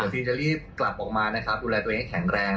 ฟิล์จะรีบกลับออกมานะครับดูแลตัวเองให้แข็งแรง